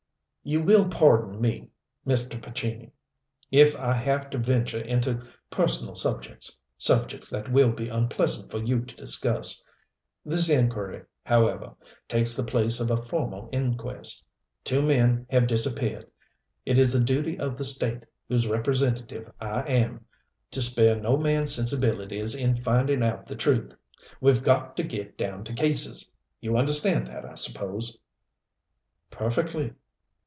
"You will pardon me, Mr. Pescini, if I have to venture into personal subjects subjects that will be unpleasant for you to discuss. This inquiry, however, takes the place of a formal inquest. Two men have disappeared. It is the duty of the state, whose representative I am, to spare no man's sensibilities in finding out the truth. We've got to get down to cases. You understand that, I suppose." "Perfectly."